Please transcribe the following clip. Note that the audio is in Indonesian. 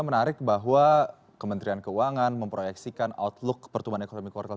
menarik bahwa kementerian keuangan memproyeksikan outlook pertumbuhan ekonomi kuartal